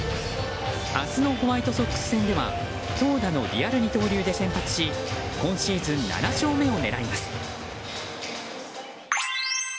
明日のホワイトソックス戦では投打のリアル二刀流で先発し今シーズン７勝目を狙います。